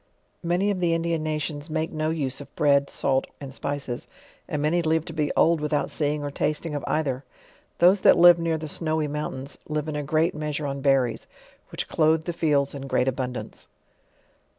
Many of the Indian nations make no use of bread, salt, and spices; and many live to be old without seeing or tasting of either. Those that live near the snowy mountains, live in a great measure on berries, which clothe the fields iu great abundance.